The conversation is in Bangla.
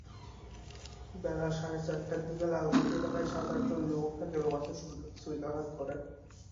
বেলা সাড়ে চারটার দিকে লালকুঠি এলাকায় সাত-আটজন যুবক তাঁকে এলোপাতাড়ি ছুরিকাঘাত করে।